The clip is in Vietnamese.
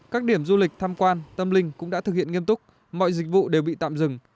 các điểm du lịch tham quan tâm linh cũng đã thực hiện nghiêm túc mọi dịch vụ đều bị tạm dừng